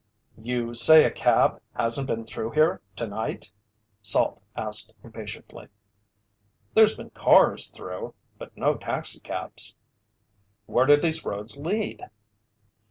"You say a cab hasn't been through here tonight?" Salt asked impatiently. "There's been cars through, but no taxi cabs." "Where do these roads lead?"